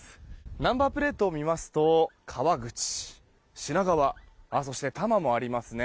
ナンバープレートを見ますと川口、品川そして多摩もありますね。